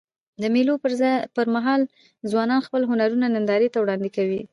د مېلو پر مهال ځوانان خپل هنرونه نندارې ته وړاندي کوي.